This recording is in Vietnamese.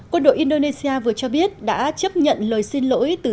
quân đội indonesia vừa cho biết đã chấp nhận lời xin lỗi từ